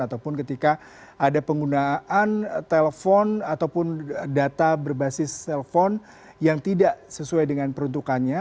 ataupun ketika ada penggunaan telepon ataupun data berbasis telepon yang tidak sesuai dengan peruntukannya